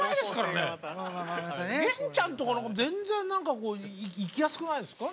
源ちゃんとか全然何か行きやすくないですか？